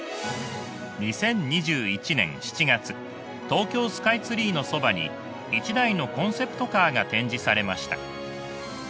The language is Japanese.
東京スカイツリーのそばに一台のコンセプトカーが展示されました。